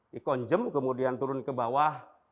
dikonjem kemudian turun ke bawah